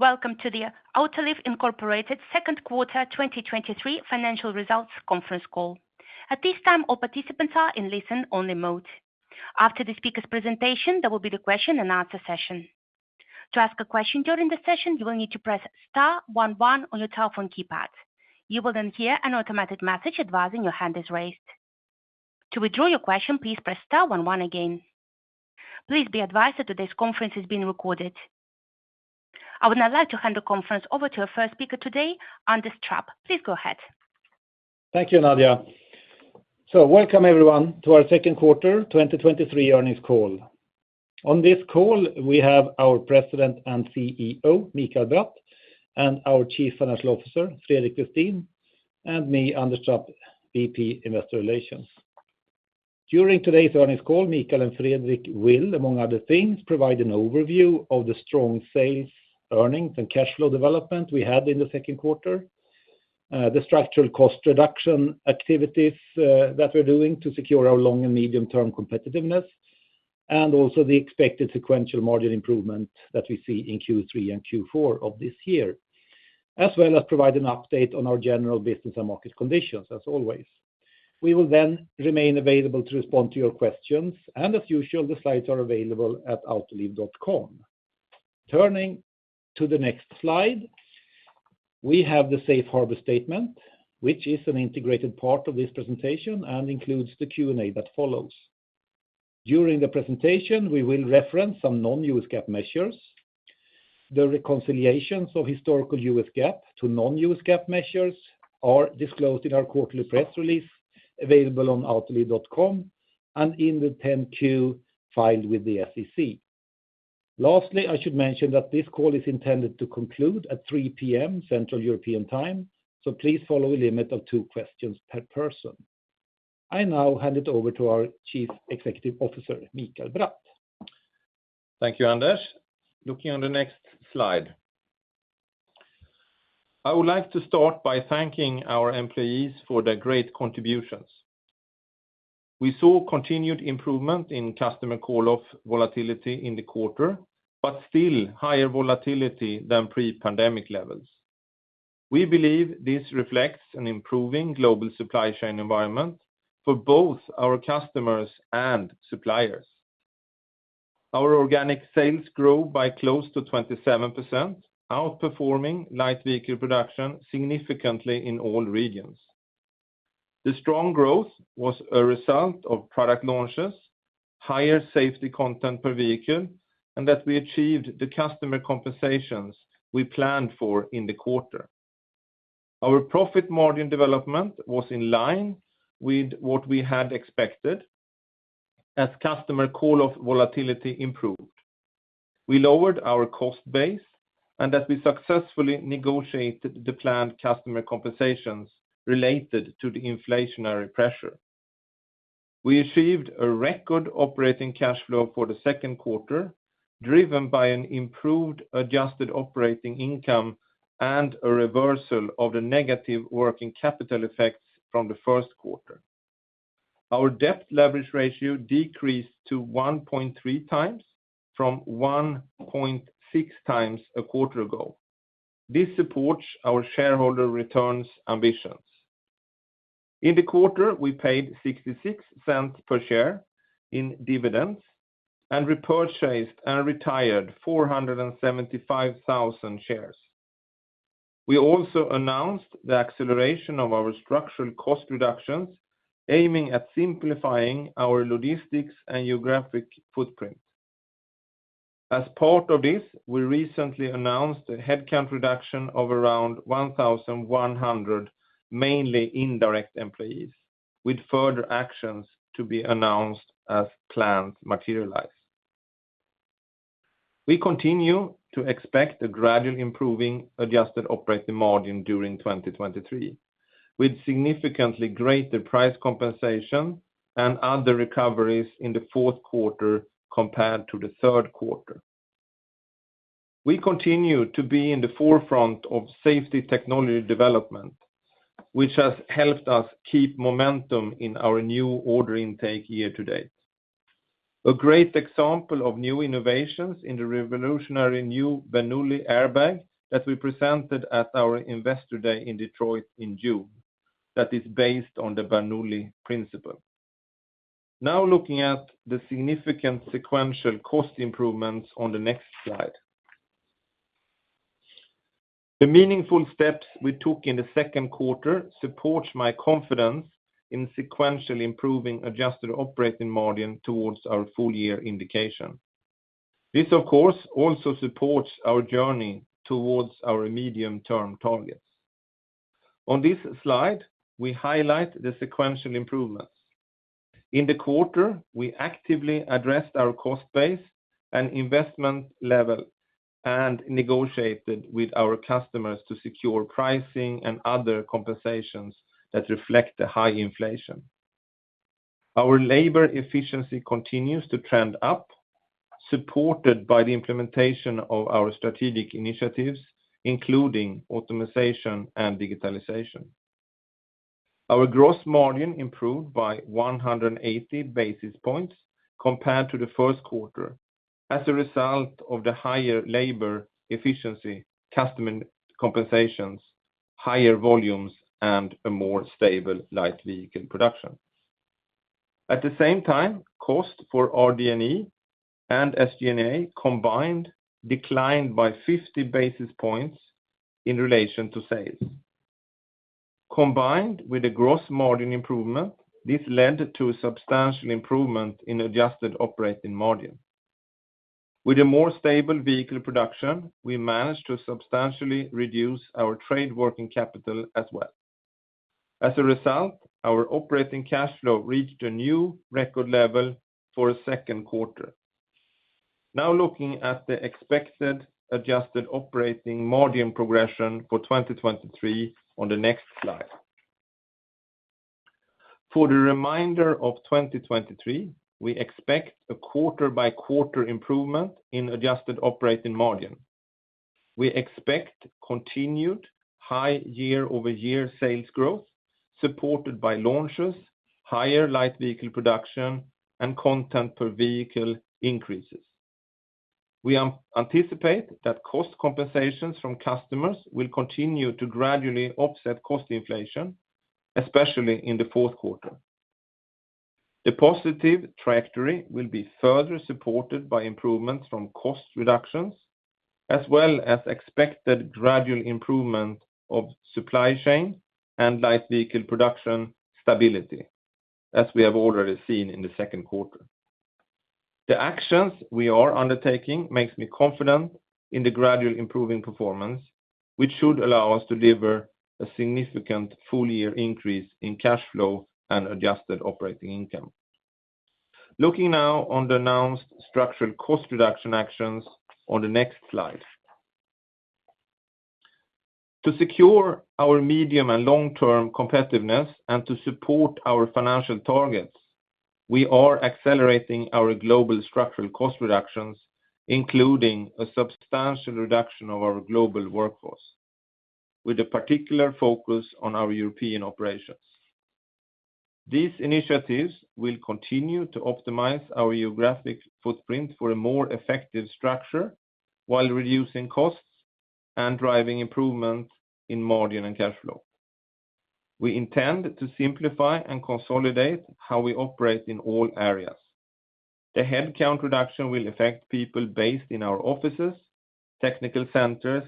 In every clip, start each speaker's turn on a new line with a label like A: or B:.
A: Welcome to the Autoliv, Inc. second quarter 2023 financial results conference call. At this time, all participants are in listen-only mode. After the speaker's presentation, there will be the question and answer session. To ask a question during the session, you will need to press star one one on your telephone keypad. You will then hear an automatic message advising your hand is raised. To withdraw your question, please press star one one again. Please be advised that today's conference is being recorded. I would now like to hand the conference over to our first speaker today, Anders Trapp. Please go ahead.
B: Thank you, Nadia. Welcome, everyone, to our 2nd quarter 2023 earnings call. On this call, we have our President and CEO, Mikael Bratt, and our Chief Financial Officer, Fredrik Westin, and me, Anders Trapp, VP, Investor Relations. During today's earnings call, Mikael and Fredrik will, among other things, provide an overview of the strong sales, earnings, and cash flow development we had in the 2nd quarter, the structural cost reduction activities that we're doing to secure our long and medium-term competitiveness, and also the expected sequential margin improvement that we see in Q3 and Q4 of this year, as well as provide an update on our general business and market conditions, as always. We will then remain available to respond to your questions, and as usual, the slides are available at autoliv.com. Turning to the next slide, we have the safe harbor statement, which is an integrated part of this presentation and includes the Q&A that follows. During the presentation, we will reference some non-U.S. GAAP measures. The reconciliations of historical U.S. GAAP to non-U.S. GAAP measures are disclosed in our quarterly press release, available on autoliv.com and in the 10-Q filed with the SEC. I should mention that this call is intended to conclude at 3:00 P.M. Central European Time. Please follow a limit of two questions per person. I now hand it over to our Chief Executive Officer, Mikael Bratt.
C: Thank you, Anders. Looking on the next slide. I would like to start by thanking our employees for their great contributions. We saw continued improvement in customer call-off volatility in the quarter, but still higher volatility than pre-pandemic levels. We believe this reflects an improving global supply chain environment for both our customers and suppliers. Our organic sales grew by close to 27%, outperforming light vehicle production significantly in all regions. The strong growth was a result of product launches, higher safety content per vehicle, and that we achieved the customer compensations we planned for in the quarter. Our profit margin development was in line with what we had expected as customer call-off volatility improved. We lowered our cost base and as we successfully negotiated the planned customer compensations related to the inflationary pressure. We achieved a record operating cash flow for the second quarter, driven by an improved adjusted operating income and a reversal of the negative working capital effects from the first quarter. Our debt leverage ratio decreased to 1.3x from 1.6x a quarter ago. This supports our shareholder returns ambitions. In the quarter, we paid $0.66 per share in dividends and repurchased and retired 475,000 shares. We also announced the acceleration of our structural cost reductions, aiming at simplifying our logistics and geographic footprint. As part of this, we recently announced a headcount reduction of around 1,100, mainly indirect employees, with further actions to be announced as plans materialize. We continue to expect a gradual improving adjusted operating margin during 2023, with significantly greater price compensation and other recoveries in the fourth quarter compared to the third quarter. We continue to be in the forefront of safety technology development, which has helped us keep momentum in our new order intake year to date. A great example of new innovations in the revolutionary new Bernoulli Airbag that we presented at our Investor Day in Detroit in June, that is based on the Bernoulli's Principle. Looking at the significant sequential cost improvements on the next slide. The meaningful steps we took in the second quarter supports my confidence in sequentially improving adjusted operating margin towards our full year indication. This, of course, also supports our journey towards our medium-term targets. On this slide, we highlight the sequential improvements. In the quarter, we actively addressed our cost base and investment level and negotiated with our customers to secure pricing and other compensations that reflect the high inflation. Our labor efficiency continues to trend up, supported by the implementation of our strategic initiatives, including automation and digitalization.... Our gross margin improved by 180 basis points compared to the first quarter as a result of the higher labor efficiency, customer compensations, higher volumes, and a more stable light vehicle production. At the same time, cost for RD&E and SG&A combined declined by 50 basis points in relation to sales. Combined with a gross margin improvement, this led to a substantial improvement in adjusted operating margin. With a more stable vehicle production, we managed to substantially reduce our trade working capital as well. As a result, our operating cash flow reached a new record level for a second quarter. Looking at the expected adjusted operating margin progression for 2023 on the next slide. For the remainder of 2023, we expect a quarter-by-quarter improvement in adjusted operating margin. We expect continued high year-over-year sales growth, supported by launches, higher light vehicle production, and content per vehicle increases. We anticipate that cost compensations from customers will continue to gradually offset cost inflation, especially in the fourth quarter. The positive trajectory will be further supported by improvements from cost reductions, as well as expected gradual improvement of supply chain and light vehicle production stability, as we have already seen in the second quarter. The actions we are undertaking makes me confident in the gradual improving performance, which should allow us to deliver a significant full-year increase in cash flow and adjusted operating income. Looking now on the announced structural cost reduction actions on the next slide. To secure our medium and long-term competitiveness and to support our financial targets, we are accelerating our global structural cost reductions, including a substantial reduction of our global workforce, with a particular focus on our European operations. These initiatives will continue to optimize our geographic footprint for a more effective structure while reducing costs and driving improvement in margin and cash flow. We intend to simplify and consolidate how we operate in all areas. The headcount reduction will affect people based in our offices, technical centers,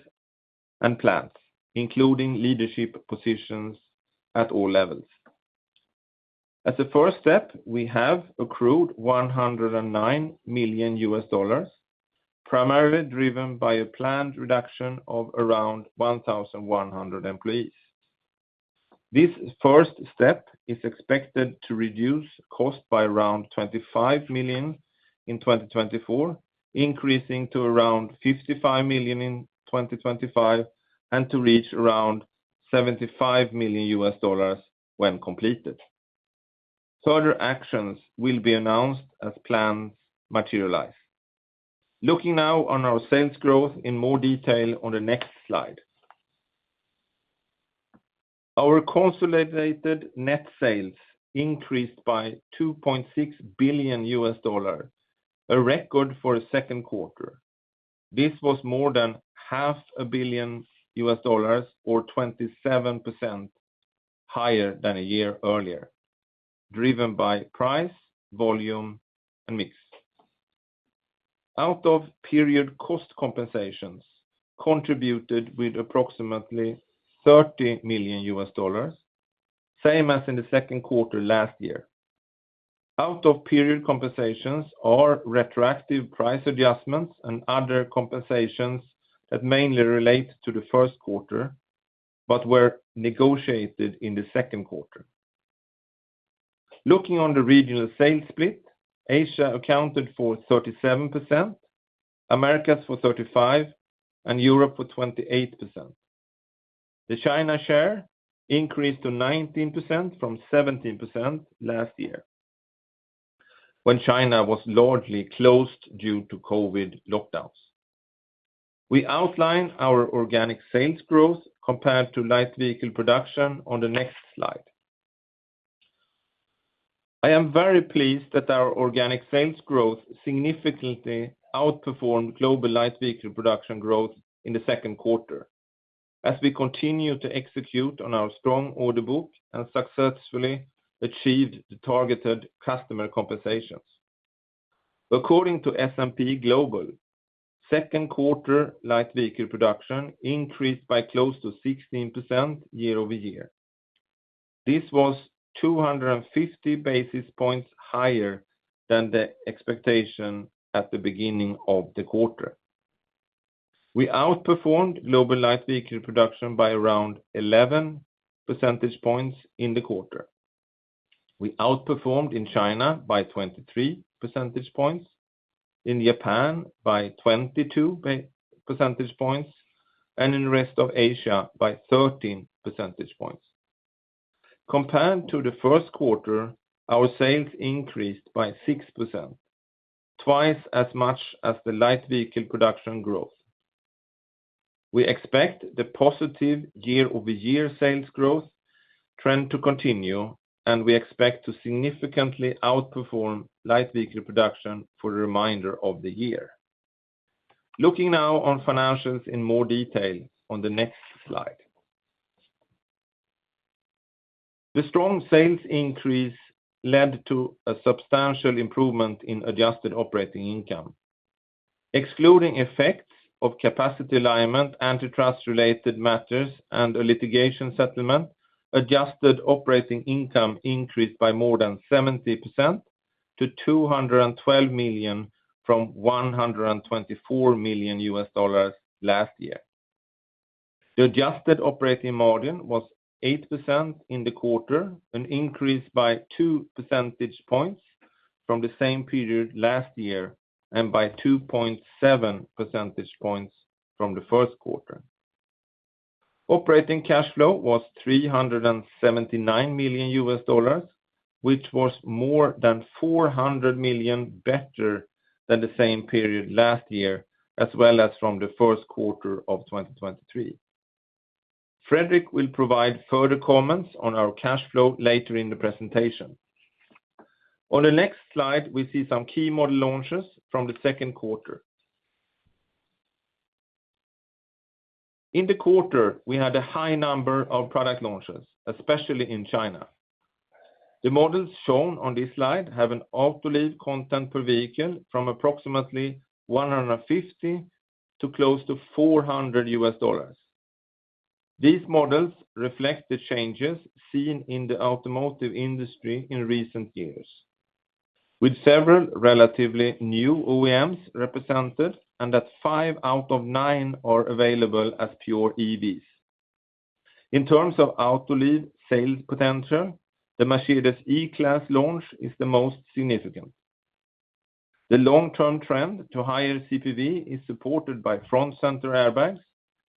C: and plants, including leadership positions at all levels. As a first step, we have accrued $109 million, primarily driven by a planned reduction of around 1,100 employees. This first step is expected to reduce cost by around $25 million in 2024, increasing to around $55 million in 2025, to reach around $75 million when completed. Further actions will be announced as plans materialize. Looking now on our sales growth in more detail on the next slide. Our consolidated net sales increased by $2.6 billion, a record for a second quarter. This was more than half a billion U.S. dollars, or 27%, higher than a year earlier, driven by price, volume, and mix. Out of period, cost compensations contributed with approximately $30 million, same as in the second quarter last year. Out-of-period compensations are retroactive price adjustments and other compensations that mainly relate to the first quarter, but were negotiated in the second quarter. Looking on the regional sales split, Asia accounted for 37%, Americas for 35%, and Europe for 28%. The China share increased to 19% from 17% last year, when China was largely closed due to COVID lockdowns. We outline our organic sales growth compared to light vehicle production on the next slide. I am very pleased that our organic sales growth significantly outperformed global light vehicle production growth in the second quarter, as we continue to execute on our strong order book and successfully achieved the targeted customer compensations. According to S&P Global, second quarter light vehicle production increased by close to 16% year-over-year. This was 250 basis points higher than the expectation at the beginning of the quarter. We outperformed global light vehicle production by around 11 percentage points in the quarter. We outperformed in China by 23 percentage points, in Japan by 22 percentage points, and in the rest of Asia by 13 percentage points. Compared to the first quarter, our sales increased by 6%, twice as much as the light vehicle production growth. We expect the positive year-over-year sales growth trend to continue, and we expect to significantly outperform light vehicle production for the remainder of the year. Looking now on financials in more detail on the next slide. The strong sales increase led to a substantial improvement in adjusted operating income. Excluding effects of capacity alignment, antitrust related matters, and a litigation settlement, adjusted operating income increased by more than 70% to $212 million from $124 million last year. The adjusted operating margin was 8% in the quarter, an increase by 2 percentage points from the same period last year and by 2.7 percentage points from the first quarter. Operating cash flow was $379 million, which was more than $400 million better than the same period last year, as well as from the first quarter of 2023. Fredrik will provide further comments on our cash flow later in the presentation. On the next slide, we see some key model launches from the second quarter. In the quarter, we had a high number of product launches, especially in China. The models shown on this slide have an Autoliv content per vehicle from approximately $150 to close to $400. These models reflect the changes seen in the automotive industry in recent years, with several relatively new OEMs represented, and that five out of nine are available as pure EVs. In terms of Autoliv sales potential, the Mercedes E-Class launch is the most significant. The long-term trend to higher CPV is supported by Front Center Airbag,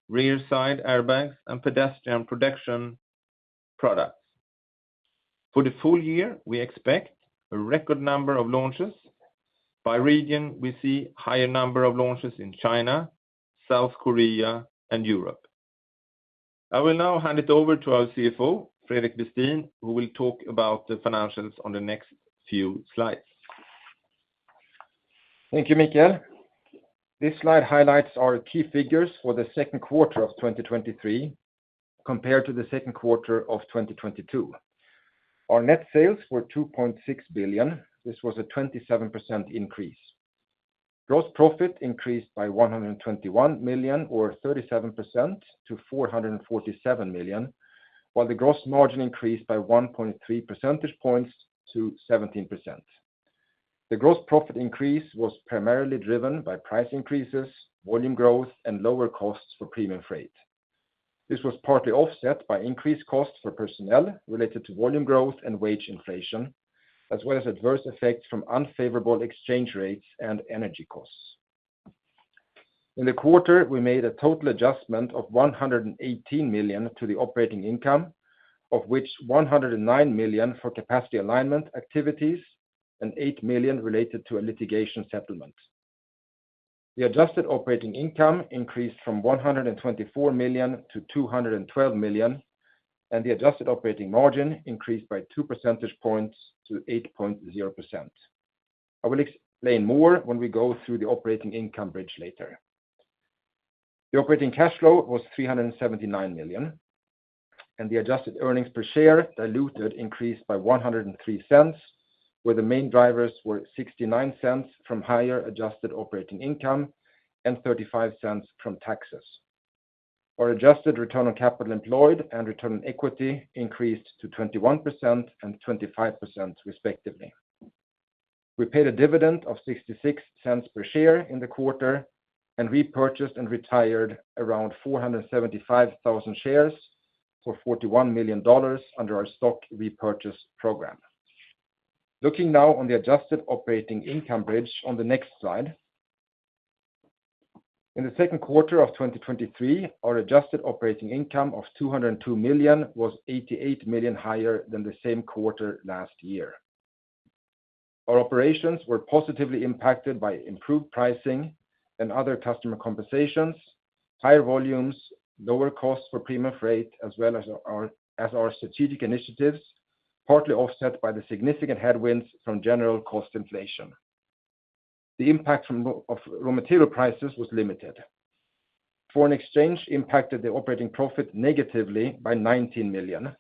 C: rear side airbags, and pedestrian protection products. For the full year, we expect a record number of launches. By region, we see higher number of launches in China, South Korea, and Europe. I will now hand it over to our CFO, Fredrik Westin, who will talk about the financials on the next few slides.
D: Thank you, Michael. This slide highlights our key figures for the second quarter of 2023 compared to the second quarter of 2022. Our net sales were $2.6 billion. This was a 27% increase. Gross profit increased by $121 million, or 37% to $447 million, while the gross margin increased by 1.3 percentage points to 17%. The gross profit increase was primarily driven by price increases, volume growth, and lower costs for premium freight. This was partly offset by increased costs for personnel related to volume growth and wage inflation, as well as adverse effects from unfavorable exchange rates and energy costs. In the quarter, we made a total adjustment of $118 million to the operating income, of which $109 million for capacity alignment activities and $8 million related to a litigation settlement. The adjusted operating income increased from $124 million to $212 million, and the adjusted operating margin increased by 2 percentage points to 8.0%. I will explain more when we go through the operating income bridge later. The operating cash flow was $379 million, and the adjusted earnings per share diluted increased by $1.03, where the main drivers were $0.69 from higher adjusted operating income and $0.35 from taxes. Our adjusted return on capital employed and return on equity increased to 21% and 25%, respectively. We paid a dividend of $0.66 per share in the quarter and repurchased and retired around 475,000 shares for $41 million under our stock repurchase program. Looking now on the adjusted operating income bridge on the next slide. In the second quarter of 2023, our adjusted operating income of $202 million was $88 million higher than the same quarter last year. Our operations were positively impacted by improved pricing and other customer compensations, higher volumes, lower costs for premium freight, as well as our strategic initiatives, partly offset by the significant headwinds from general cost inflation. The impact of raw material prices was limited. Foreign exchange impacted the operating profit negatively by $19 million.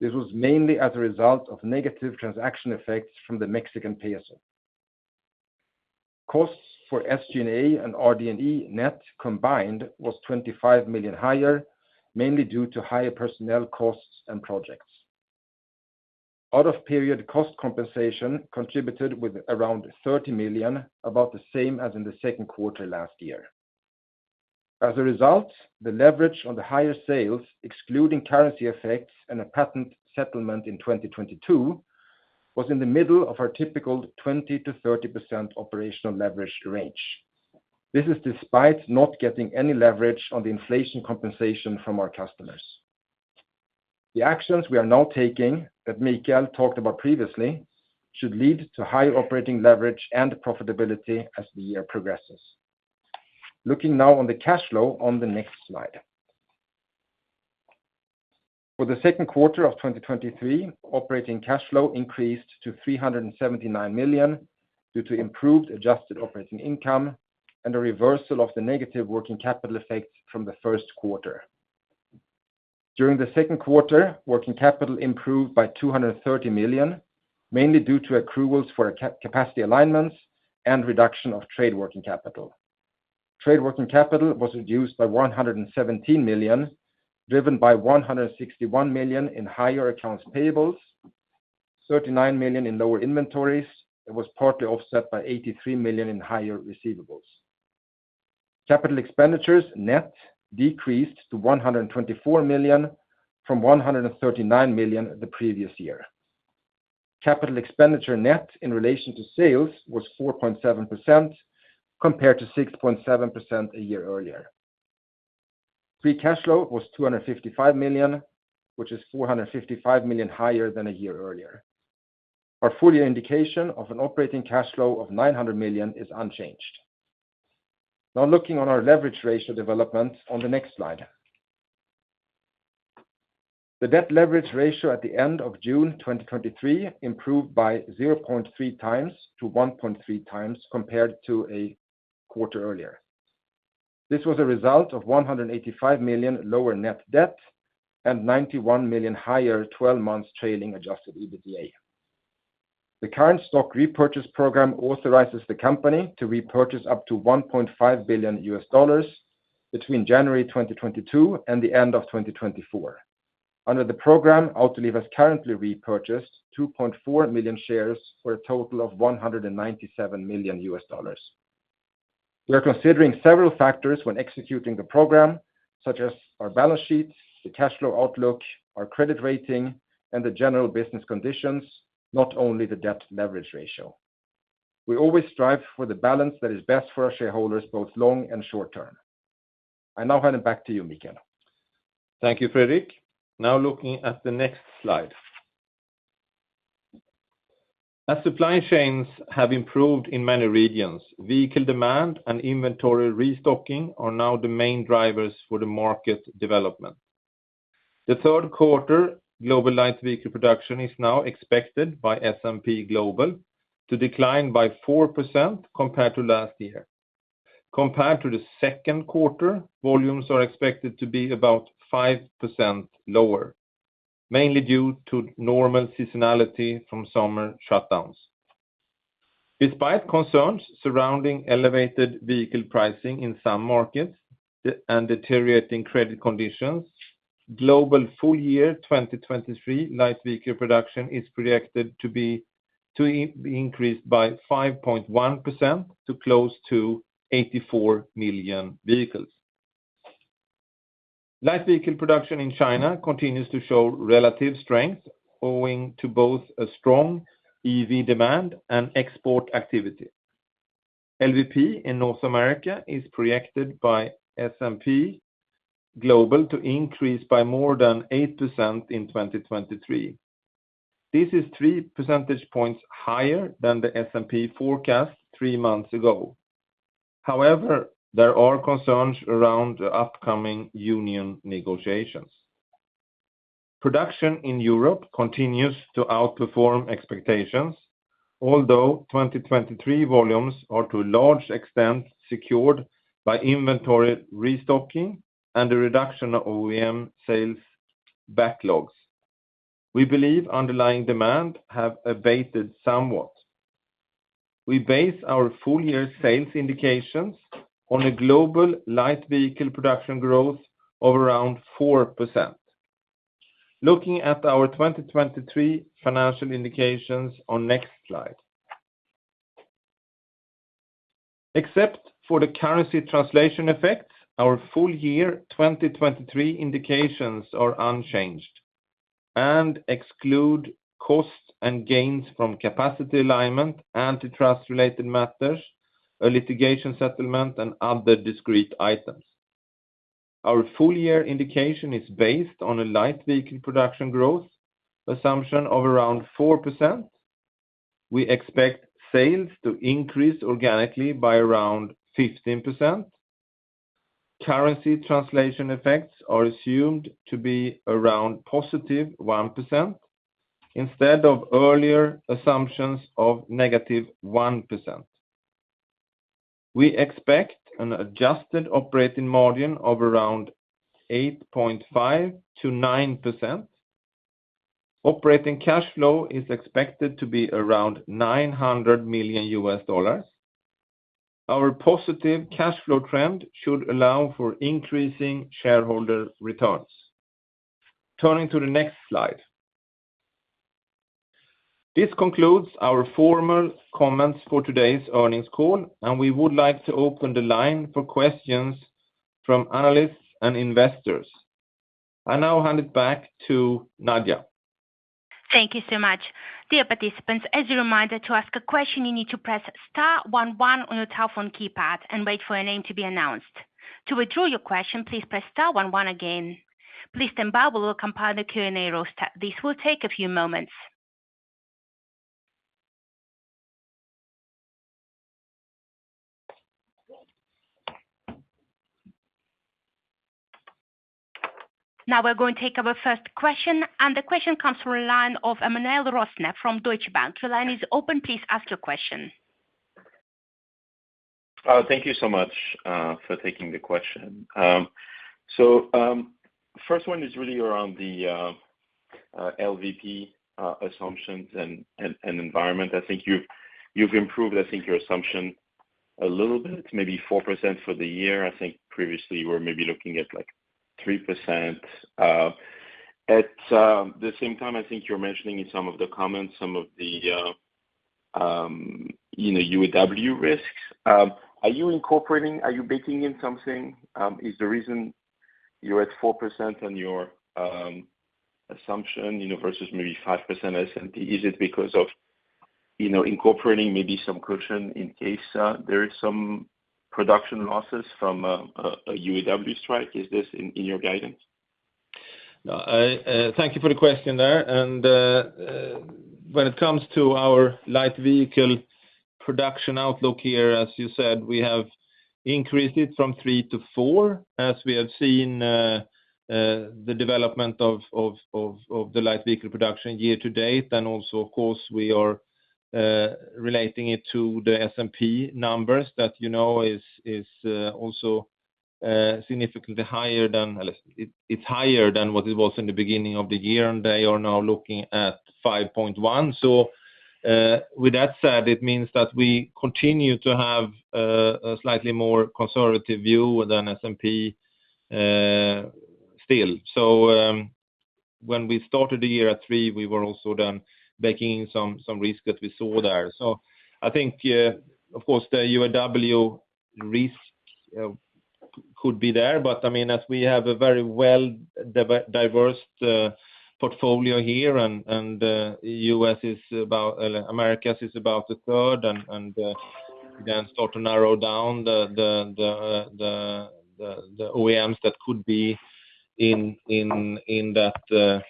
D: This was mainly as a result of negative transaction effects from the Mexican peso. Costs for SG&A and RD&E net combined was $25 million higher, mainly due to higher personnel costs and projects. Out of period cost compensation contributed with around $30 million, about the same as in the second quarter last year. As a result, the leverage on the higher sales, excluding currency effects and a patent settlement in 2022, was in the middle of our typical 20%-30% operational leverage range. This is despite not getting any leverage on the inflation compensation from our customers. The actions we are now taking, that Mikael talked about previously, should lead to higher operating leverage and profitability as the year progresses. Looking now on the cash flow on the next slide. For the second quarter of 2023, operating cash flow increased to $379 million, due to improved adjusted operating income and a reversal of the negative working capital effects from the first quarter. During the second quarter, working capital improved by $230 million, mainly due to accruals for capacity alignments and reduction of trade working capital. Trade working capital was reduced by $117 million, driven by $161 million in higher accounts payables, $39 million in lower inventories, and was partly offset by $83 million in higher receivables. Capital expenditures net decreased to $124 million from $139 million the previous year. Capital expenditure net in relation to sales was 4.7%, compared to 6.7% a year earlier. Free cash flow was $255 million, which is $455 million higher than a year earlier. Our full year indication of an operating cash flow of $900 million is unchanged. Looking on our leverage ratio development on the next slide. The debt leverage ratio at the end of June 2023 improved by 0.3x to 1.3x compared to a quarter earlier. This was a result of $185 million lower net debt and $91 million higher, 12 months trailing adjusted EBITDA. The current stock repurchase program authorizes the company to repurchase up to $1.5 billion between January 2022 and the end of 2024. Under the program, Autoliv has currently repurchased 2.4 million shares for a total of $197 million. We are considering several factors when executing the program, such as our balance sheet, the cash flow outlook, our credit rating, and the general business conditions, not only the debt leverage ratio. We always strive for the balance that is best for our shareholders, both long and short term. I now hand it back to you, Mikael.
C: Thank you, Fredrik. Now looking at the next slide. As supply chains have improved in many regions, vehicle demand and inventory restocking are now the main drivers for the market development. The third quarter global light vehicle production is now expected by S&P Global to decline by 4% compared to last year. Compared to the second quarter, volumes are expected to be about 5% lower, mainly due to normal seasonality from summer shutdowns. Despite concerns surrounding elevated vehicle pricing in some markets, and deteriorating credit conditions, global full year 2023 light vehicle production is projected to increase by 5.1% to close to 84 million vehicles. Light vehicle production in China continues to show relative strength, owing to both a strong EV demand and export activity. LVP in North America is projected by S&P Global to increase by more than 8% in 2023. This is 3 percentage points higher than the S&P forecast three months ago. There are concerns around the upcoming union negotiations. Production in Europe continues to outperform expectations, although 2023 volumes are to a large extent secured by inventory restocking and a reduction of OEM sales backlogs. We believe underlying demand have abated somewhat. We base our full year sales indications on a global light vehicle production growth of around 4%. Looking at our 2023 financial indications on next slide. Except for the currency translation effect, our full year 2023 indications are unchanged and exclude costs and gains from capacity alignment, antitrust-related matters, a litigation settlement, and other discrete items. Our full year indication is based on a light vehicle production growth assumption of around 4%. We expect sales to increase organically by around 15%. Currency translation effects are assumed to be around positive 1%, instead of earlier assumptions of negative 1%. We expect an adjusted operating margin of around 8.5%-9%. Operating cash flow is expected to be around $900 million. Our positive cash flow trend should allow for increasing shareholder returns. Turning to the next slide. This concludes our formal comments for today's earnings call, and we would like to open the line for questions from analysts and investors. I now hand it back to Nadia.
A: Thank you so much. Dear participants, as a reminder, to ask a question, you need to press star one one on your telephone keypad and wait for your name to be announced. To withdraw your question, please press star one one again. Please stand by, we will compile the Q&A roll. This will take a few moments. We're going to take our first question, and the question comes from the line of Emmanuel Rosner from Deutsche Bank. The line is open, please ask your question.
E: Thank you so much for taking the question. First one is really around the LVP assumptions and environment. I think you've improved your assumption a little bit, maybe 4% for the year. I think previously you were maybe looking at, like, 3%. At the same time, I think you're mentioning in some of the comments, some of the, you know, UAW risks. Are you baking in something? Is the reason you're at 4% on your assumption, you know, versus maybe 5% S&P, is it because of, you know, incorporating maybe some caution in case there is some production losses from a UAW strike? Is this in your guidance?
C: Thank you for the question there. When it comes to our light vehicle production outlook here, as you said, we have increased it from 3 to 4, as we have seen the development of the light vehicle production year to date. Also, of course, we are relating it to the S&P numbers that, you know, is also significantly higher than it's higher than what it was in the beginning of the year, and they are now looking at 5.1. With that said, it means that we continue to have a slightly more conservative view than S&P still. When we started the year at 3, we were also then baking in some risk that we saw there. I think, of course, the UAW risk could be there, but, I mean, as we have a very well diversified portfolio here, and U.S. is about Americas is about a third, then start to narrow down the OEMs that could be in that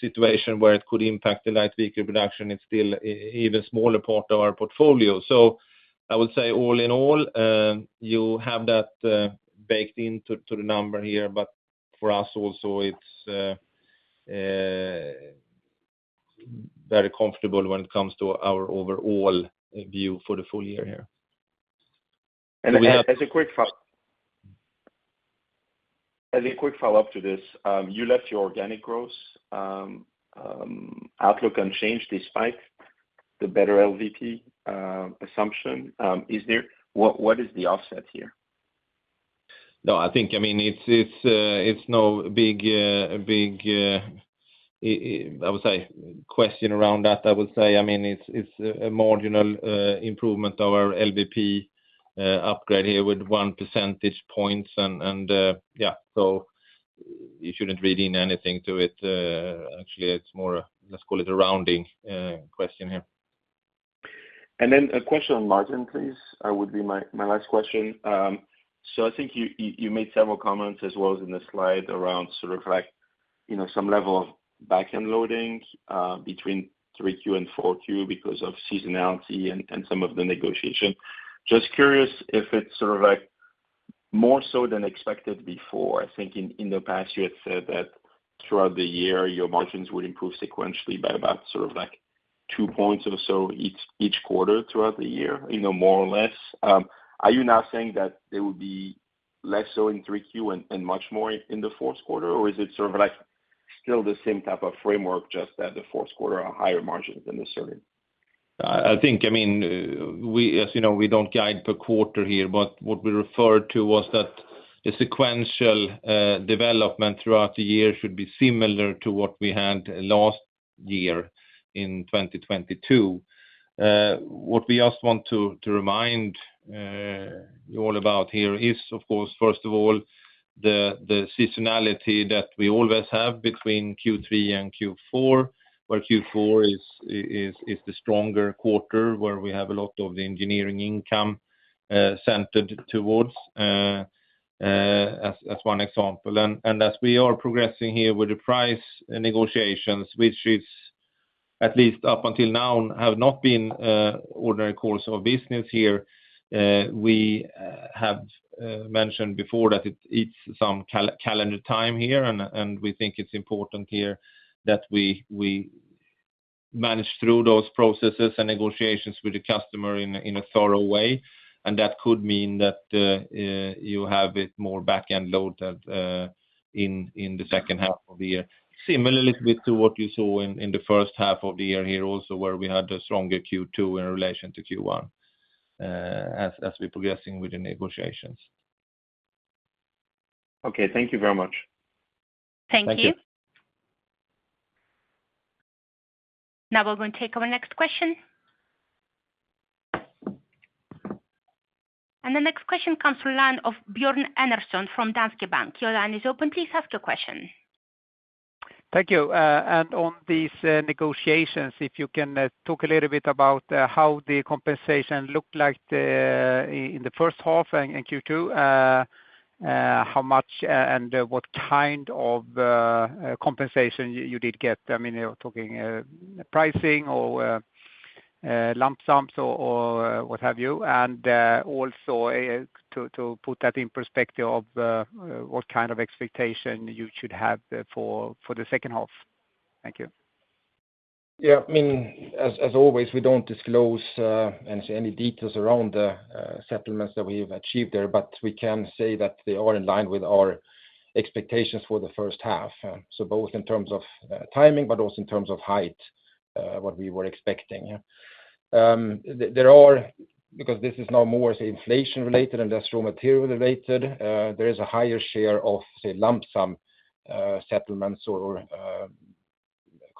C: situation where it could impact the light vehicle production, it's still even smaller part of our portfolio. I would say all in all, you have that baked into the number here, but for us also, it's very comfortable when it comes to our overall view for the full year here.
E: As a quick follow-up to this, you left your organic growth outlook unchanged despite the better LVP assumption. What is the offset here?
C: I think, I mean, it's no big, I would say, question around that. I would say, I mean, it's a marginal improvement of our LVP upgrade here with 1 percentage points. Yeah, you shouldn't read in anything to it. It's more, let's call it a rounding question here.
E: A question on margin, please, would be my last question. So I think you, you made several comments as well as in the slide around, you know, some level of back-end loading between 3Q and 4Q because of seasonality and some of the negotiation. Just curious if it's more so than expected before. I think in the past, you had said that throughout the year, your margins would improve sequentially by about two points or so each quarter throughout the year, more or less. Are you now saying that there would be less so in 3Q and much more in the fourth quarter? Is it sort of like still the same type of framework, just that the fourth quarter are higher margins than this certain?
C: I think, I mean, we, as you know, we don't guide per quarter here, what we referred to was that the sequential development throughout the year should be similar to what we had last year in 2022. What we just want to remind you all about here is, of course, first of all, the seasonality that we always have between Q3 and Q4, where Q4 is the stronger quarter, where we have a lot of the engineering income centered towards as one example. As we are progressing here with the price negotiations, which is at least up until now, have not been ordinary course of business here, we have mentioned before that it's some calendar time here, and we think it's important here that we manage through those processes and negotiations with the customer in a thorough way. That could mean that you have it more back-end loaded in the second half of the year. Similarly, with to what you saw in the first half of the year here also, where we had a stronger Q2 in relation to Q1 as we're progressing with the negotiations.
E: Okay. Thank you very much.
C: Thank you.
A: Thank you. Now we're going to take our next question. The next question comes to line of Björn Enarson from Danske Bank. Your line is open. Please ask your question.
F: Thank you. On these negotiations, if you can talk a little bit about how the compensation looked like in the first half in Q2. How much and what kind of compensation you did get? I mean, you're talking pricing or lump sums or what have you. Also, to put that in perspective of what kind of expectation you should have for the second half? Thank you.
D: I mean, as always, we don't disclose any details around the settlements that we've achieved there, but we can say that they are in line with our expectations for the first half. Both in terms of timing, but also in terms of height, what we were expecting. There are, because this is now more inflation related and industrial material related, there is a higher share of lump sum settlements or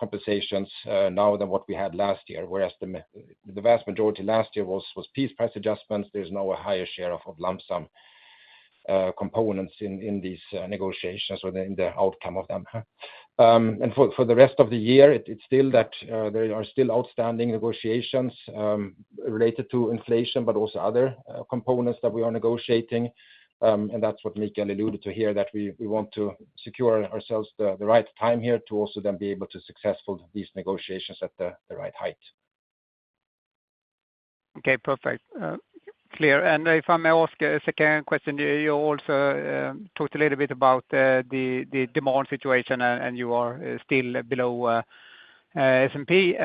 D: compensations now than what we had last year. Whereas the vast majority last year was piece price adjustments, there's now a higher share of lump sum components in these negotiations or in the outcome of them. For the rest of the year, it's still that, there are still outstanding negotiations, related to inflation, but also other, components that we are negotiating. That's what Mikael alluded to here, that we want to secure ourselves the right time here to also then be able to successful these negotiations at the right height.
F: Okay, perfect. Clear. If I may ask a second question, you also talked a little bit about the demand situation, and you are still below S&P.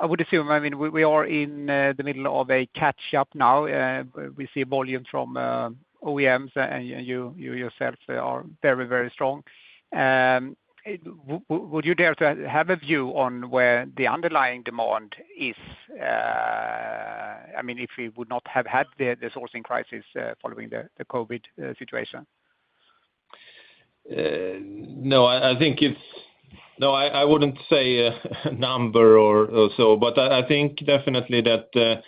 F: I would assume, I mean, we are in the middle of a catch up now. We see volume from OEMs, and you yourselves are very, very strong. Would you dare to have a view on where the underlying demand is? I mean, if we would not have had the sourcing crisis, following the COVID situation.
D: No, I wouldn't say a number or so, but I think definitely that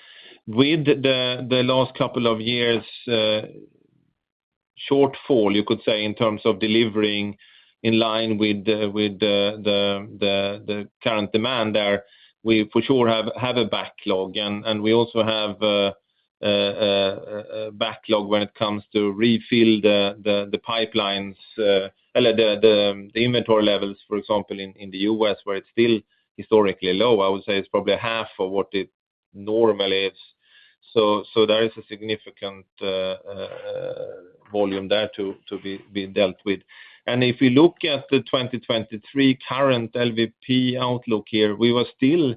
D: with the last couple of years shortfall, you could say, in terms of delivering in line with the current demand there, we for sure have a backlog. We also have a backlog when it comes to refill the pipelines, the inventory levels, for example, in the U.S., where it's still historically low. I would say it's probably half of what it normally is. There is a significant volume there to be dealt with. If you look at the 2023 current LVP outlook here, we were still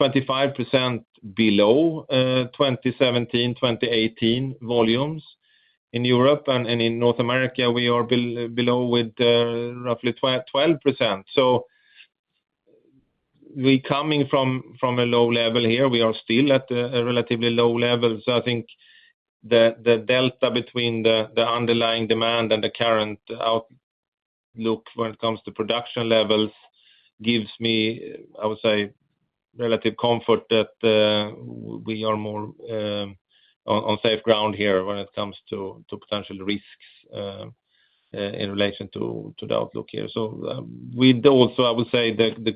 D: 25% below 2017, 2018 volumes. In Europe and in North America, we are below with roughly 12%. We coming from a low level here, we are still at a relatively low level. I think the delta between the underlying demand and the current outlook when it comes to production levels gives me, I would say, relative comfort that we are more on safe ground here when it comes to potential risks in relation to the outlook here. We also, I would say the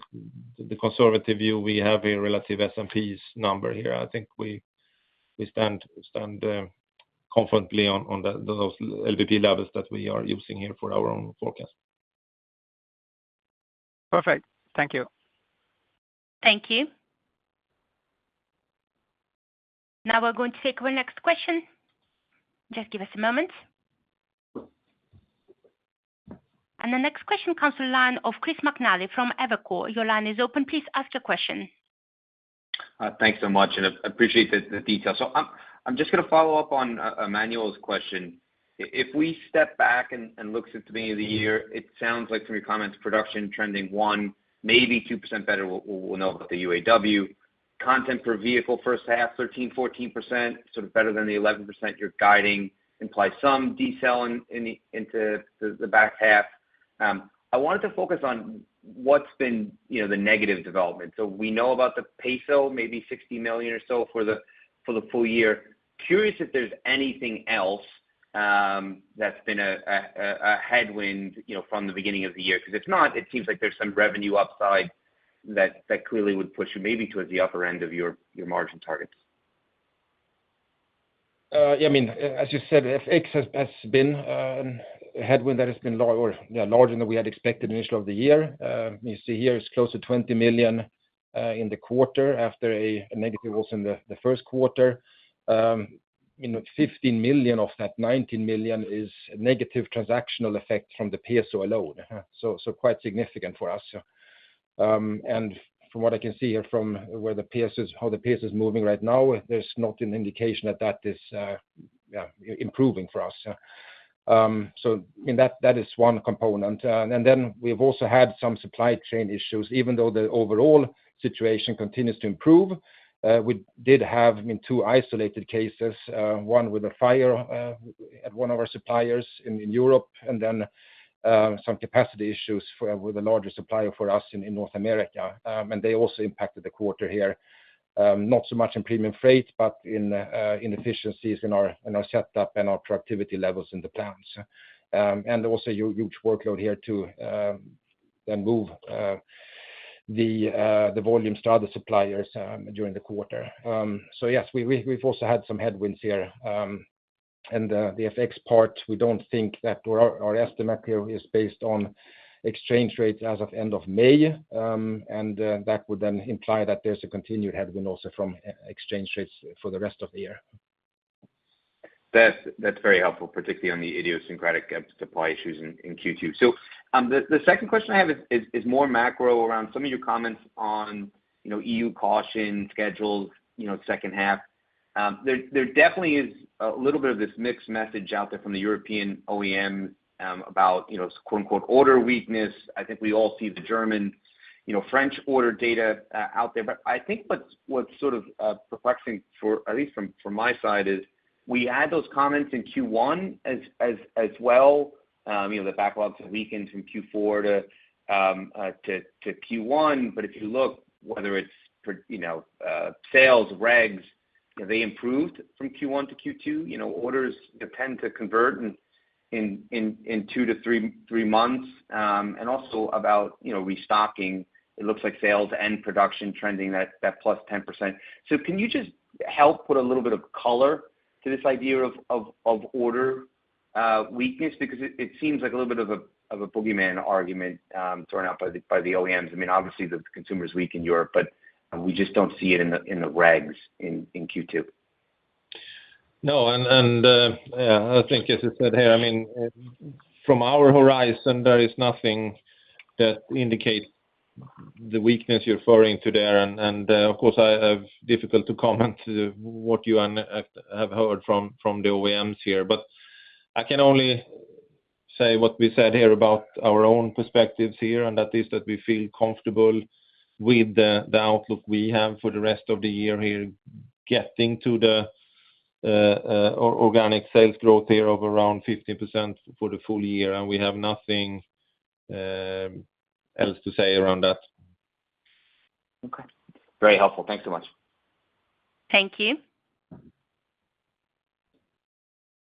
D: conservative view, we have a relative SMPs number here. I think we stand confidently on those LVP levels that we are using here for our own forecast.
F: Perfect. Thank you.
A: Thank you. Now we're going to take our next question. Just give us a moment. The next question comes to the line of Chris McNally from Evercore. Your line is open. Please ask your question.
G: Thanks so much, and I appreciate the detail. I'm just going to follow up on Emmanuel's question. If we step back and look since the beginning of the year, it sounds like from your comments, production trending 1%, maybe 2% better. We'll know about the UAW. Content per vehicle, first half, 13%-14%, sort of better than the 11% you're guiding, implies some decel in the back half. I wanted to focus on what's been, you know, the negative development. We know about the peso, maybe $60 million or so for the full year. Curious if there's anything else, that's been a headwind, you know, from the beginning of the year, because if not, it seems like there's some revenue upside that clearly would push you maybe towards the upper end of your margin targets.
D: Yeah, I mean, as you said, FX has been a headwind that has been larger than we had expected initial of the year. You see here, it's close to $20 million in the quarter after a negative was in the first quarter. You know, $15 million of that $19 million is negative transactional effect from the peso alone. Quite significant for us. From what I can see here, from where the peso is, how the peso is moving right now, there's not an indication that that is improving for us. I mean, that is one component. We've also had some supply chain issues, even though the overall situation continues to improve. We did have 2 isolated cases, one with a fire at one of our suppliers in Europe, and then with a larger supplier for us in North America. They also impacted the quarter here. Not so much in premium freight, but in inefficiencies in our setup and our productivity levels in the plants. Also a huge workload here to then move the volumes to other suppliers during the quarter. Yes, we've also had some headwinds here. The FX part, we don't think that our estimate here is based on exchange rates as of end of May. That would then imply that there's a continued headwind also from exchange rates for the rest of the year.
G: That's very helpful, particularly on the idiosyncratic supply issues in Q2. The second question I have is more macro around some of your comments on, you know, EU caution schedules, you know, second half. There definitely is a little bit of this mixed message out there from the European OEM about, you know, quote, unquote, "order weakness." I think we all see the German, you know, French order data out there. I think what's sort of perplexing for, at least from my side, is we had those comments in Q1 as well. The backlogs weakened from Q4 to Q1. If you look whether it's for, you know, sales, regs, they improved from Q1 to Q2. You know, orders tend to convert in two to three months. Also about, you know, restocking, it looks like sales and production trending that +10%. Can you just help put a little bit of color to this idea of order weakness? It seems like a little bit of a boogeyman argument thrown out by the OEMs. I mean, obviously, the consumer is weak in Europe, we just don't see it in the regs in Q2.
D: No. Yeah, I think, as I said here, I mean, from our horizon, there is nothing that indicates the weakness you're referring to there. Of course, I have difficult to comment what you have heard from the OEMs here. I can only say what we said here about our own perspectives here, and that is that we feel comfortable with the outlook we have for the rest of the year here, getting to the organic sales growth here of around 50% for the full year, and we have nothing else to say around that.
G: Okay. Very helpful. Thanks so much.
A: Thank you.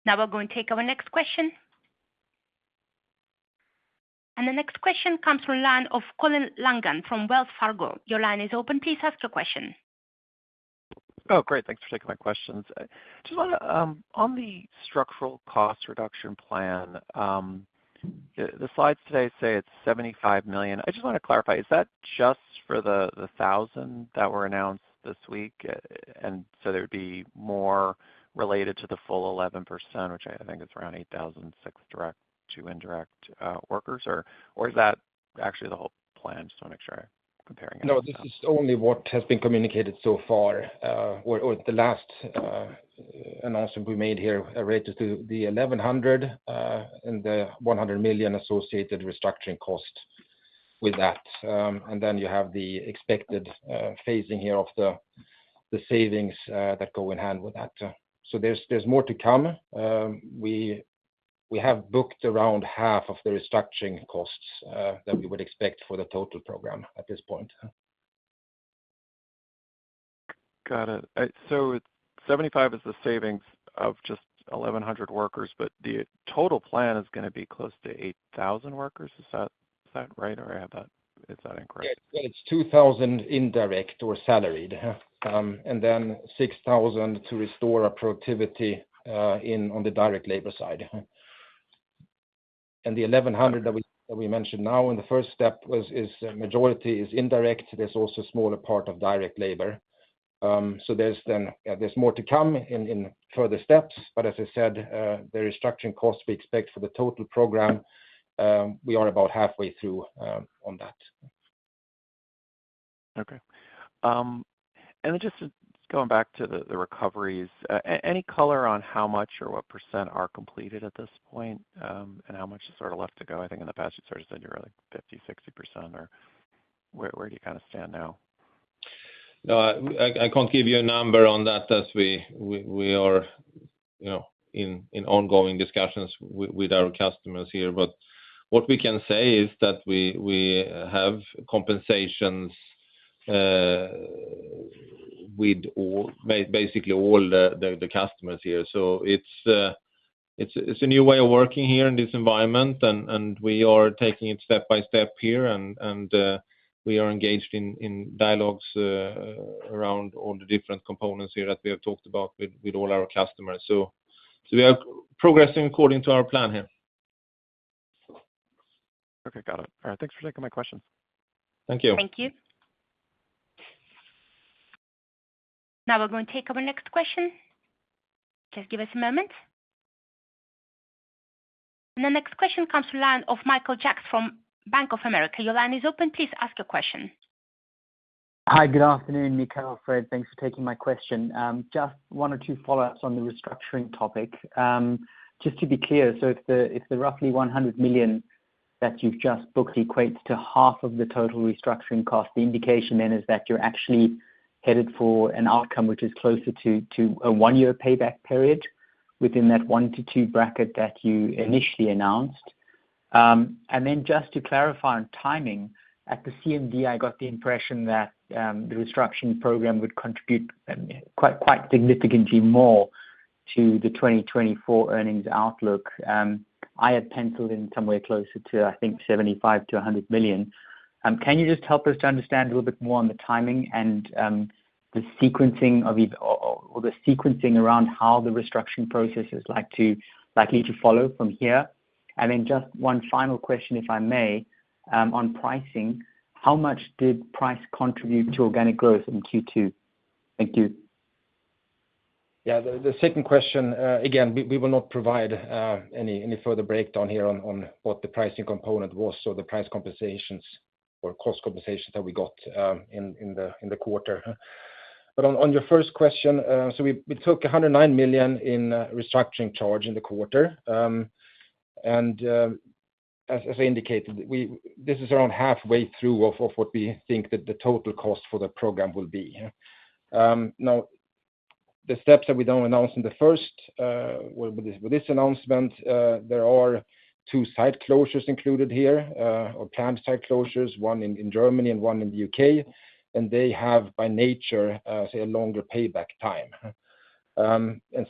A: Now we're going to take our next question. The next question comes from line of Colin Langan from Wells Fargo. Your line is open. Please ask your question.
H: Oh, great! Thanks for taking my questions. Just want to on the structural cost reduction plan, the slides today say it's $75 million. I just want to clarify: Is that just for the 1,000 that were announced this week? There'd be more related to the full 11%, which I think is around 8,000, 6 direct to indirect workers, or is that actually the whole plan? Just to make sure I'm comparing it.
D: No, this is only what has been communicated so far, or the last announcement we made here, related to the 1,100, and the $100 million associated restructuring cost with that. Then you have the expected phasing here of the savings that go in hand with that. There's more to come. We have booked around half of the restructuring costs that we would expect for the total program at this point.
H: Got it. 75 is the savings of just 1,100 workers, but the total plan is going to be close to 8,000 workers. Is that right, or Is that incorrect?
D: It's 2,000 indirect or salaried, then 6,000 to restore our productivity on the direct labor side. The 1,100 that we mentioned now in the first step is majority is indirect. There's also a smaller part of direct labor. There's then more to come in further steps. As I said, the restructuring costs we expect for the total program, we are about halfway through on that.
H: Okay. Just going back to the recoveries. Any color on how much or what percent are completed at this point, and how much is sort of left to go? I think in the past, you sort of said you were like 50%, 60%, or where do you kind of stand now?
D: No, I can't give you a number on that as we are, you know, in ongoing discussions with our customers here. What we can say is that we have compensations with basically all the customers here. It's a new way of working here in this environment, and we are taking it step by step here, and we are engaged in dialogues around all the different components here that we have talked about with all our customers. We are progressing according to our plan here.
H: Okay, got it. All right. Thanks for taking my question.
D: Thank you.
A: Thank you. Now we're going to take our next question. Just give us a moment. The next question comes to the line of Michael Jacks from Bank of America. Your line is open. Please ask your question.
I: Hi, good afternoon, Mikael, Fred. Thanks for taking my question. Just one or two follow-ups on the restructuring topic. Just to be clear, if the roughly $100 million that you've just booked equates to half of the total restructuring cost, the indication then is that you're actually headed for an outcome which is closer to a one-year payback period within that one to two bracket that you initially announced?... Just to clarify on timing, at the CMD, I got the impression that the restructuring program would contribute quite significantly more to the 2024 earnings outlook. I had penciled in somewhere closer to, I think, $75 million-$100 million. Can you just help us to understand a little bit more on the timing and the sequencing around how the restructuring process is likely to follow from here? Just one final question, if I may, on pricing, how much did price contribute to organic growth in Q2? Thank you.
D: The second question, again, we will not provide any further breakdown here on what the pricing component was, so the price compensations or cost compensations that we got in the quarter. On your first question, we took $109 million in restructuring charge in the quarter. As I indicated, this is around halfway through of what we think that the total cost for the program will be. The steps that we don't announce in the first, well, with this announcement, there are two site closures included here, or plant site closures, one in Germany and one in the U.K., and they have, by nature, say, a longer payback time.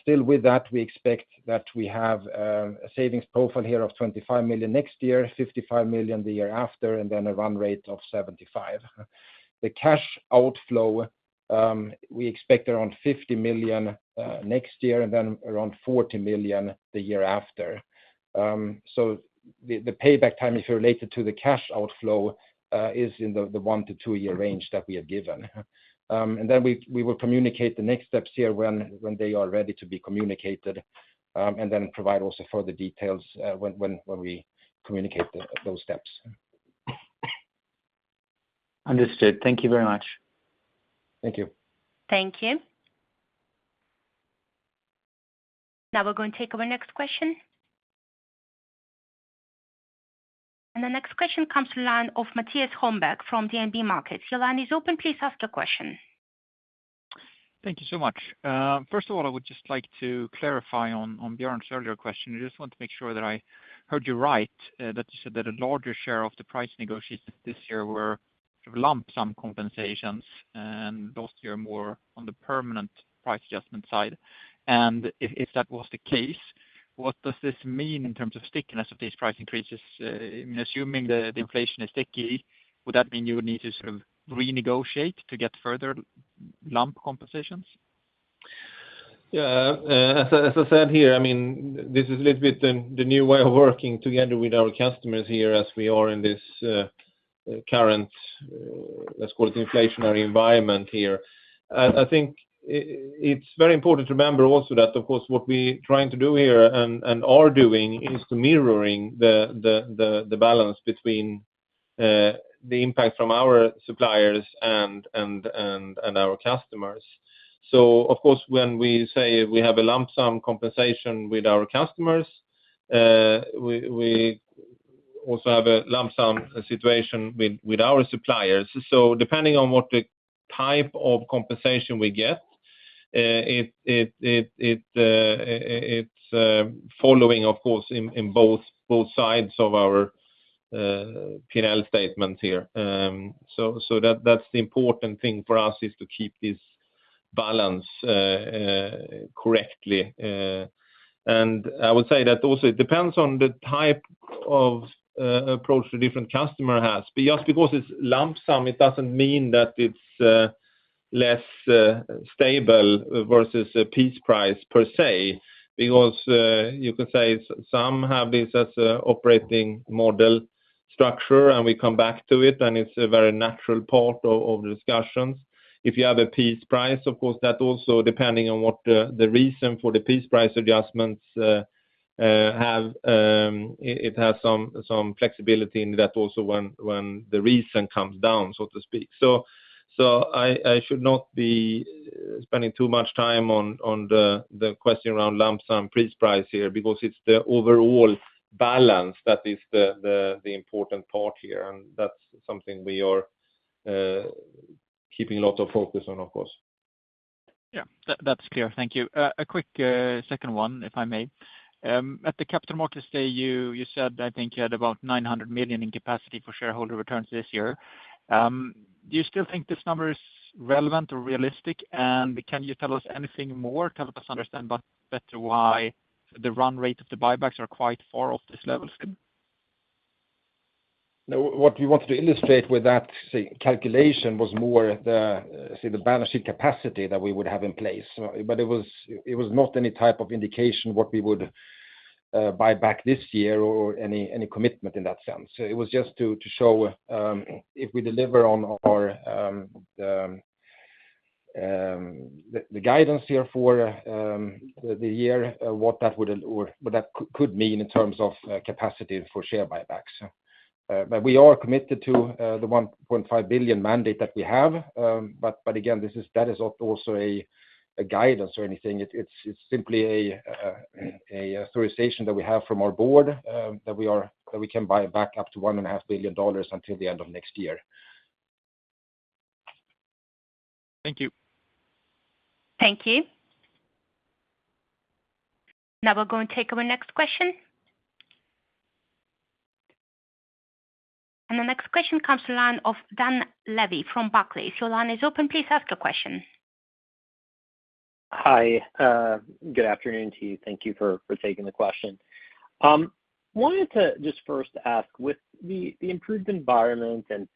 D: Still with that, we expect that we have a savings profile here of $25 million next year, $55 million the year after, and then a run rate of $75 million. The cash outflow, we expect around $50 million next year, and then around $40 million the year after. The payback time, if related to the cash outflow, is in the one to two year range that we have given. Then we will communicate the next steps here when they are ready to be communicated, then provide also further details when we communicate those steps.
I: Understood. Thank you very much.
D: Thank you.
A: Thank you. Now we're going to take our next question. The next question comes to line of Mattias Holmberg from DNB Markets. Your line is open. Please ask your question.
J: Thank you so much. First of all, I would just like to clarify on Björn earlier question. I just want to make sure that I heard you right, that you said that a larger share of the price negotiations this year were sort of lump sum compensations, and last year, more on the permanent price adjustment side. If that was the case, what does this mean in terms of stickiness of these price increases? I mean, assuming the inflation is sticky, would that mean you would need to sort of renegotiate to get further lump compensations?
D: Yeah, as I said here, I mean, this is a little bit the new way of working together with our customers here as we are in this current, let's call it inflationary environment here. I think it's very important to remember also that, of course, what we're trying to do here and are doing is mirroring the balance between the impact from our suppliers and our customers. Of course, when we say we have a lump sum compensation with our customers, we also have a lump sum situation with our suppliers. Depending on what the type of compensation we get, it's following, of course, in both sides of our P&L statement here. So that's the important thing for us, is to keep this balance correctly. I would say that also it depends on the type of approach the different customer has, but just because it's lump sum, it doesn't mean that it's less stable versus a piece price per se. You could say some have this as a operating model structure, and we come back to it, and it's a very natural part of the discussions. If you have a piece price, of course, that also depending on what the reason for the piece price adjustments have, it has some flexibility in that also when the reason comes down, so to speak. I should not be spending too much time on the question around lump sum piece price here, because it's the overall balance that is the important part here, and that's something we are keeping a lot of focus on, of course.
J: Yeah, that's clear. Thank you. A quick second one, if I may. At the Capital Markets Day, you said, I think you had about $900 million in capacity for shareholder returns this year. Do you still think this number is relevant or realistic? Can you tell us anything more to help us understand better why the run rate of the buybacks are quite far off this level, Fredrik?
D: What we wanted to illustrate with that say calculation was more the say, the balance sheet capacity that we would have in place. It was not any type of indication what we would buy back this year or any commitment in that sense. It was just to show if we deliver on our the guidance here for the year, what that would or what that could mean in terms of capacity for share buybacks. We are committed to the $1.5 billion mandate that we have. Again, that is also a guidance or anything. It's simply an authorization that we have from our board that we are... That we can buy back up to one and a half billion dollars until the end of next year.
K: Thank you.
A: Thank you. Now we're going to take our next question. The next question comes to the line of Dan Levy from Barclays. Your line is open. Please ask a question.
L: Hi, good afternoon to you. Thank you for taking the question. wanted to just first ask, with the improved environment and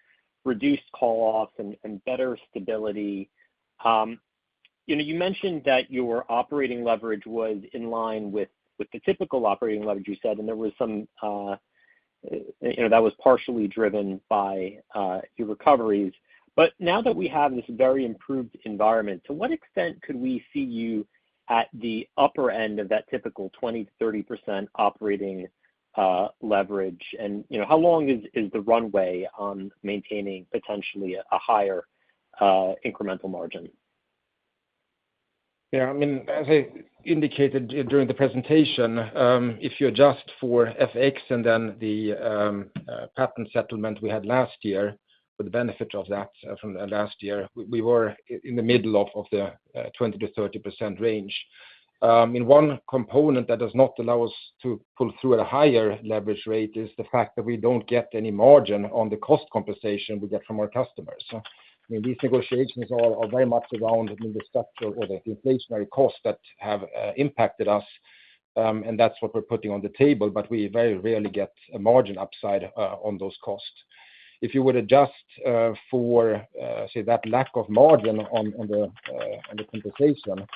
L: reduced call-offs and better stability, you know, you mentioned that your operating leverage was in line with the typical operating leverage you said, and there was some, you know, that was partially driven by your recoveries. But now that we have this very improved environment, to what extent could we see you at the upper end of that typical 20%-30% operating leverage? you know, how long is the runway on maintaining potentially a higher incremental margin?
D: I mean, as I indicated during the presentation, if you adjust for FX and then the patent settlement we had last year, for the benefit of that from last year, we were in the middle of the 20%-30% range. One component that does not allow us to pull through at a higher leverage rate is the fact that we don't get any margin on the cost compensation we get from our customers. I mean, these negotiations are very much around the structural or the inflationary costs that have impacted us, and that's what we're putting on the table, but we very rarely get a margin upside on those costs. If you would adjust for say, that lack of margin on on the on the compensation,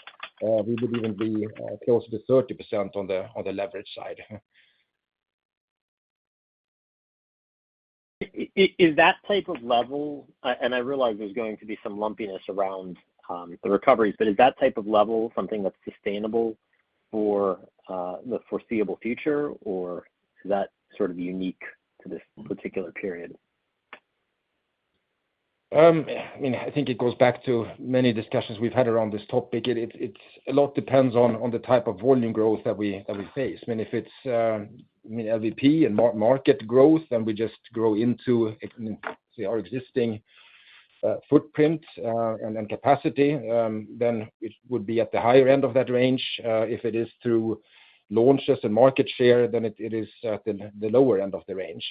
D: we would even be closer to 30% on the on the leverage side.
L: Is that type of level, and I realize there's going to be some lumpiness around the recoveries, but is that type of level something that's sustainable for the foreseeable future, or is that sort of unique to this particular period?
D: I mean, I think it goes back to many discussions we've had around this topic. It's a lot depends on the type of volume growth that we face. I mean, if it's, I mean, LVP and market growth, then we just grow into, say, our existing footprint and capacity, then it would be at the higher end of that range. If it is through launches and market share, then it is at the lower end of the range.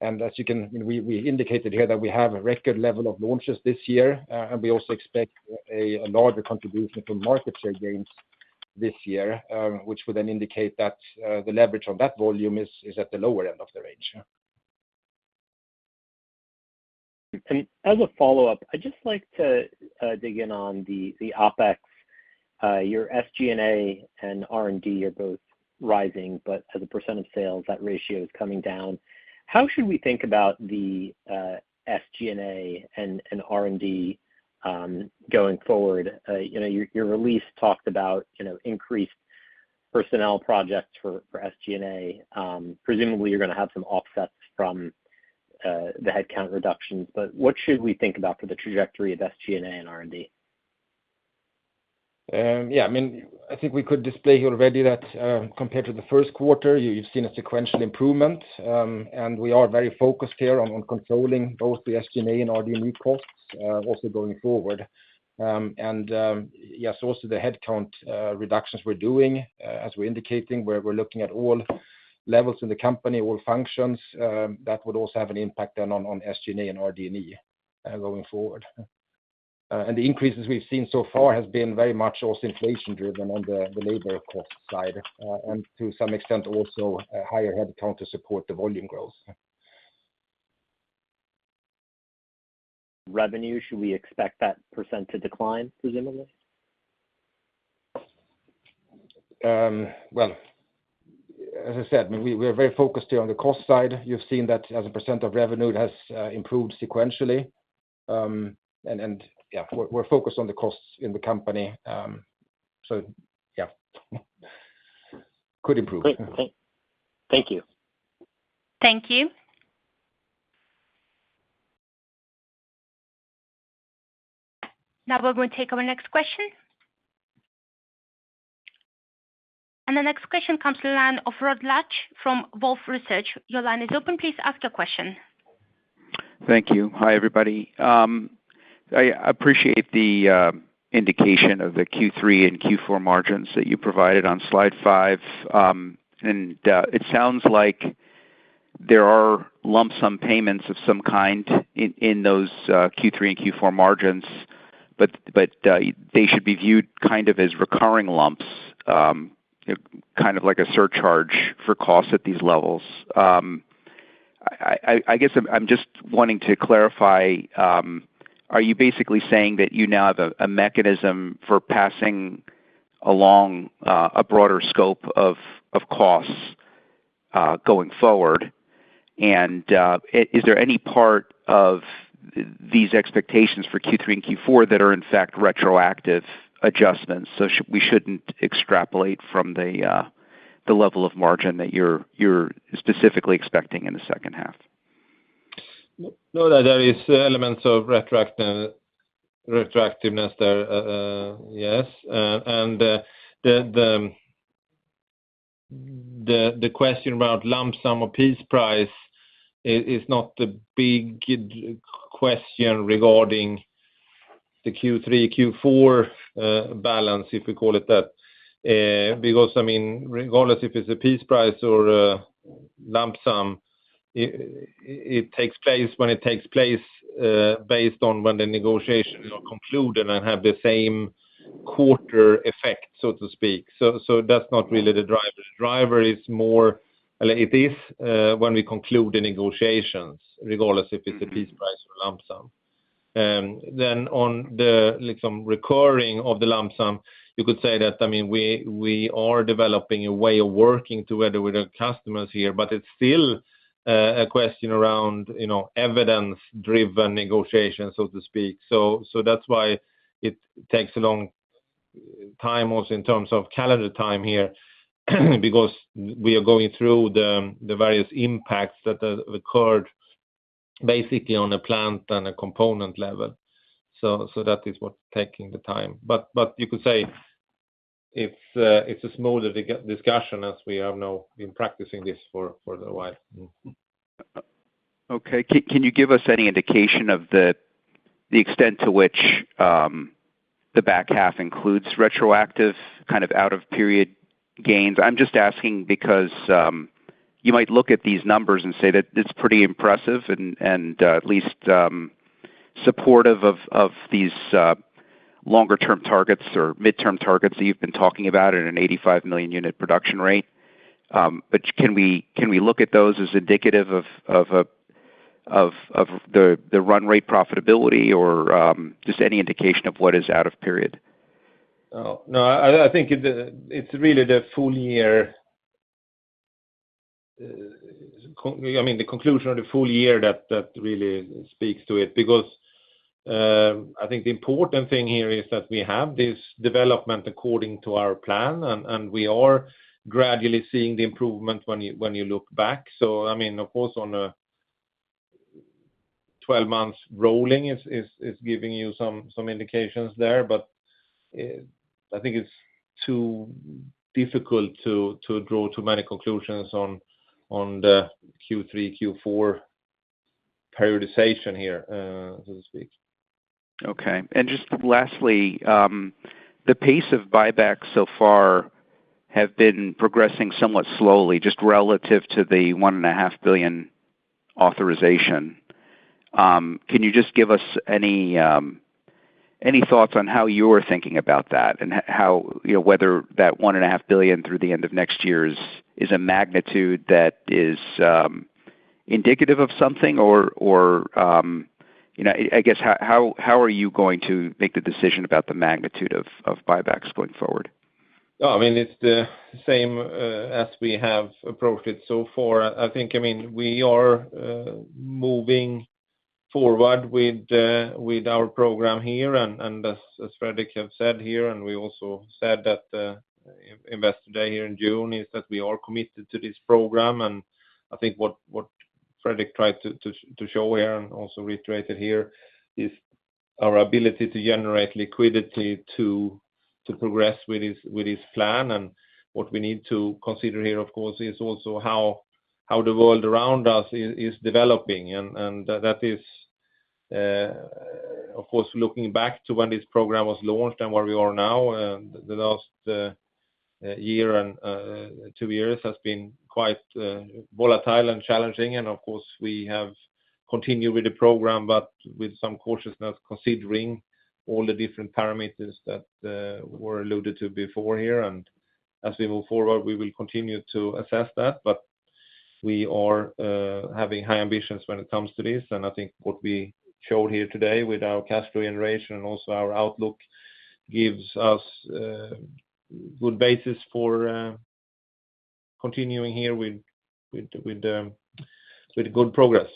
D: As you can... We indicated here that we have a record level of launches this year, and we also expect a larger contribution from market share gains this year, which would then indicate that the leverage on that volume is at the lower end of the range.
L: As a follow-up, I'd just like to dig in on the OpEx. Your SG&A and R&D are both rising, but as a % of sales, that ratio is coming down. How should we think about the SG&A and R&D going forward? You know, your release talked about, you know, increased personnel projects for SG&A. Presumably, you're gonna have some offsets from the headcount reductions, but what should we think about for the trajectory of SG&A and R&D?
D: Yeah, I mean, I think we could display here already that, compared to the first quarter, you've seen a sequential improvement. We are very focused here on controlling both the SG&A and R&D costs also going forward. Yes, also the headcount reductions we're doing, as we're indicating, where we're looking at all levels in the company, all functions, that would also have an impact on SG&A and RD&E going forward. The increases we've seen so far has been very much also inflation driven on the labor cost side, and to some extent, also a higher headcount to support the volume growth.
L: Revenue, should we expect that % to decline, presumably?
D: Well, as I said, I mean, we are very focused here on the cost side. You've seen that as a percentage of revenue, it has improved sequentially. Yeah, we're focused on the costs in the company. Yeah, could improve.
L: Great. Thank you.
A: Thank you. Now we're going to take our next question. The next question comes to the line of Rod Lache from Wolfe Research. Your line is open. Please ask a question.
K: Thank you. Hi, everybody. I appreciate the indication of the Q3 and Q4 margins that you provided on slide five. It sounds like there are lump sum payments of some kind in those Q3 and Q4 margins, but they should be viewed kind of as recurring lumps, kind of like a surcharge for costs at these levels. I guess I'm just wanting to clarify, are you basically saying that you now have a mechanism for passing along a broader scope of costs going forward? Is there any part of these expectations for Q3 and Q4 that are in fact retroactive adjustments, so we shouldn't extrapolate from the level of margin that you're specifically expecting in the second half?
D: No, that there is elements of retractiveness there, yes, and the.
C: The question about lump sum or piece price is not the big question regarding the Q3, Q4 balance, if you call it that. I mean, regardless if it's a piece price or a lump sum, it takes place when it takes place based on when the negotiations are concluded and have the same quarter effect, so to speak. That's not really the driver. Driver is more, it is when we conclude the negotiations, regardless if it's a piece price or a lump sum. On the like some recurring of the lump sum, you could say that, I mean, we are developing a way of working together with our customers here, but it's still a question around, you know, evidence-driven negotiation, so to speak. That's why it takes a long time, also in terms of calendar time here, because we are going through the various impacts that have occurred basically on a plant and a component level. That is what's taking the time. But you could say it's a smoother discussion as we have now been practicing this for a while.
K: Okay. Can you give us any indication of the extent to which the back half includes retroactive, kind of, out-of-period gains? I'm just asking because you might look at these numbers and say that it's pretty impressive and at least supportive of these longer-term targets or midterm targets that you've been talking about at an 85 million unit production rate. Can we look at those as indicative of the run rate profitability or just any indication of what is out of period?
C: No, I think it's really the full year. I mean, the conclusion of the full year that really speaks to it. I think the important thing here is that we have this development according to our plan, and we are gradually seeing the improvement when you look back. I mean, of course, on a 12 months rolling is giving you some indications there, but I think it's too difficult to draw too many conclusions on the Q3, Q4 periodization here, so to speak.
K: Okay. Just lastly, the pace of buybacks so far have been progressing somewhat slowly, just relative to the one and a half billion authorization. Can you just give us any thoughts on how you're thinking about that, and how, you know, whether that one and a half billion through the end of next year is a magnitude that is indicative of something or, you know. I guess, how are you going to make the decision about the magnitude of buybacks going forward?
C: No, I mean, it's the same as we have approached it so far. I think, I mean, we are moving forward with with our program here, and as Fredrik have said here, and we also said that at Investor Day here in June, is that we are committed to this program. I think what Fredrik tried to show here and also reiterated here, is our ability to generate liquidity to progress with this plan. What we need to consider here, of course, is also how the world around us is developing. That is of course, looking back to when this program was launched and where we are now, the last one year and two years has been quite volatile and challenging. Of course, we have continued with the program, but with some cautiousness, considering all the different parameters that were alluded to before here. As we move forward, we will continue to assess that, but we are having high ambitions when it comes to this. I think what we showed here today with our cash flow generation and also our outlook, gives us good basis for continuing here with good progress.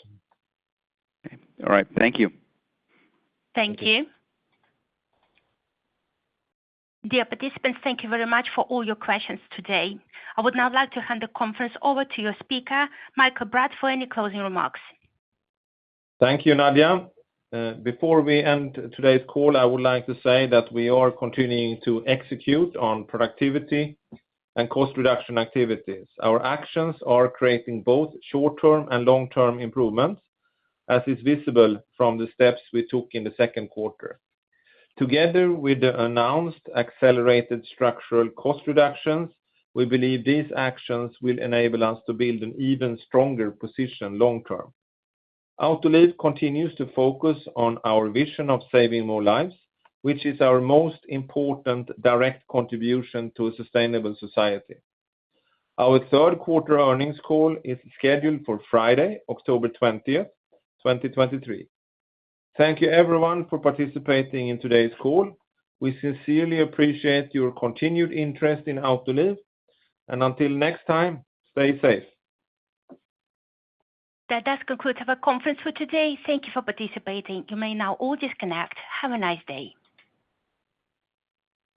K: All right. Thank you.
A: Thank you. Dear participants, thank you very much for all your questions today. I would now like to hand the conference over to your speaker, Mikael Bratt, for any closing remarks.
C: Thank you, Nadia. Before we end today's call, I would like to say that we are continuing to execute on productivity and cost reduction activities. Our actions are creating both short-term and long-term improvements, as is visible from the steps we took in the second quarter. Together with the announced accelerated structural cost reductions, we believe these actions will enable us to build an even stronger position long term. Autoliv continues to focus on our vision of saving more lives, which is our most important direct contribution to a sustainable society. Our third quarter earnings call is scheduled for Friday, October 20th, 2023. Thank you, everyone, for participating in today's call. We sincerely appreciate your continued interest in Autoliv. Until next time, stay safe.
A: That does conclude our conference for today. Thank you for participating. You may now all disconnect. Have a nice day.